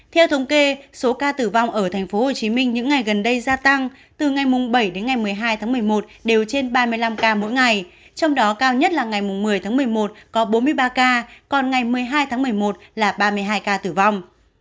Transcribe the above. theo thống kê số ca tử vong ở tp hcm những ngày gần đây gia tăng từ ngày bảy đến ngày một mươi hai tháng một mươi một đều trên ba mươi năm ca mỗi ngày trong đó cao nhất là ngày một mươi tháng một mươi một có bốn mươi ba ca còn ngày một mươi hai tháng một mươi một là ba mươi hai ca tử vong